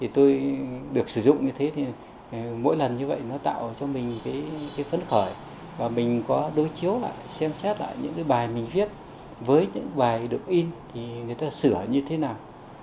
tôi được sử dụng như thế thì mỗi lần như vậy nó tạo cho mình phấn khởi và mình có đối chiếu lại xem xét lại những bài mình viết với những bài được in thì người ta sửa như thế nào